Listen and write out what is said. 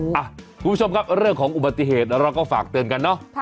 คุณผู้ชมครับเรื่องของอุบัติเหตุเราก็ฝากเตือนกันเนอะ